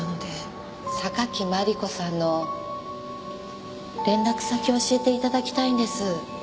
榊マリコさんの連絡先を教えて頂きたいんです。